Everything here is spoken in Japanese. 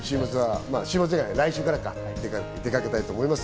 来週から出かけたいと思います。